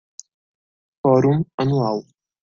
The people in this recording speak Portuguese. Fórum Anual